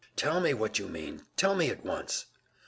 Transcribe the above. "Tell me what you mean. Tell me at once."